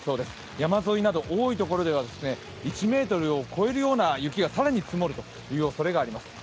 山沿いなど多いところでは１ｍを超える雪が更に積もる可能性があります。